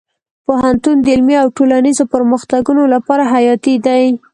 پوهنتون د علمي او ټولنیزو پرمختګونو لپاره حیاتي دی.